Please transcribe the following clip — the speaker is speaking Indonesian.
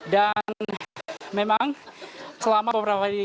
dan memang selama beberapa hari ini ya